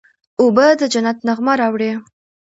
اوبه د جنت نغمه راوړي.